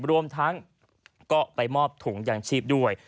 รวมทั้งก็ไปมอบถุงยางชีพด้วย